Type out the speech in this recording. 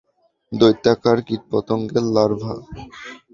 দৈত্যাকার কীটপতঙ্গের লার্ভা।